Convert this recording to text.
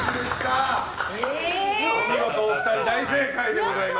お見事、お二人大正解でございます。